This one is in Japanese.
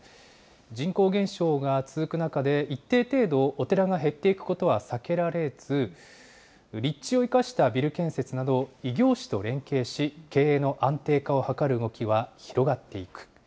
人口減少が続く中で、一定程度、お寺が減っていくことは避けられず、立地を生かしたビル建設など、異業種と連携し、経営の安定化を図る動きは広がっていく。